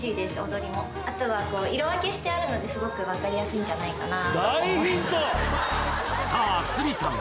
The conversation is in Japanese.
踊りもあとはこう色分けしてあるのですごく分かりやすいんじゃないかなと思いますさあ鷲見さん